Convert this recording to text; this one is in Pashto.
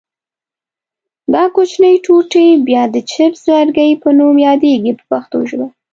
دا کوچنۍ ټوټې بیا د چپس لرګي په نوم یادیږي په پښتو ژبه.